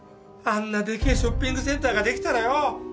あんなでけえショッピングセンターができたらよ。